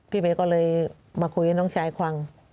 พี่เบก็เลยมาคุยกับน้องชายควัง